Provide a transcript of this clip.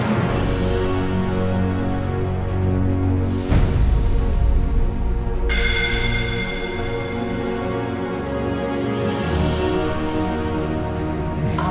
dia sudah turun ke rumah